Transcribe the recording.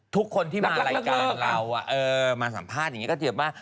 ทุกคนที่มารายการเรามาสัมภาษณ์อย่างนี้ก็เจ็บว่า